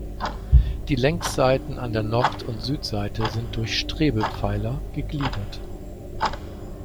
Die Längsseiten an der Nord- und Südseite sind durch Strebepfeiler gegliedert.